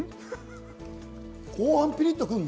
後半ピリッとくるね。